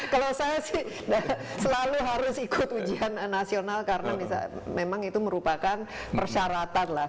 kalau saya sih selalu harus ikut ujian nasional karena memang itu merupakan persyaratan lah